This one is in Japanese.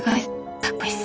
かっこいいです。